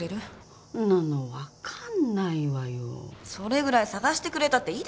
それぐらい探してくれたっていいでしょ。